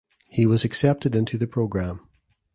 He was accepted into the program.